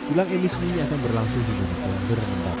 ulang emisi ini akan berlangsung di bentuk yang berendah